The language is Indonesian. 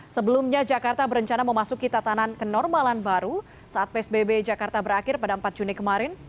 sebelumnya jakarta berencana memasuki tatanan kenormalan baru saat psbb jakarta berakhir pada empat juni kemarin